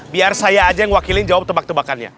biar saya aja yang wakilin jawab tebak tebakannya